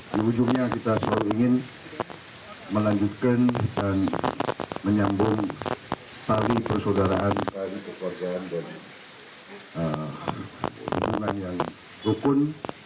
di ujungnya kita selalu ingin melanjutkan dan menyambung tali persaudaraan tali kekeluargaan dan hubungan yang rukun